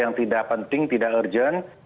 yang tidak penting tidak urgent